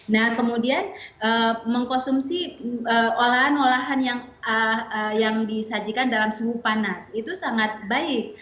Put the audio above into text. nah kemudian mengkonsumsi olahan olahan yang disajikan dalam suhu panas itu sangat baik